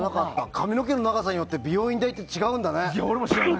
髪の毛の長さによって美容院代って違うんだね。